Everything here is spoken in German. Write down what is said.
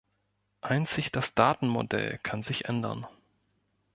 Einzig das Datenmodell kann sich ändern.